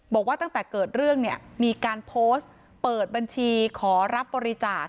บอกว่าตั้งแต่เกิดเรื่องเนี่ยมีการโพสต์เปิดบัญชีขอรับบริจาค